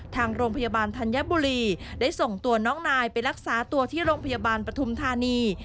ทางโรงพยาบาลธัญบุรีได้ส่งตัวน้องนายไปรักษาตัวที่โรงพยาบาลปฐุมธานี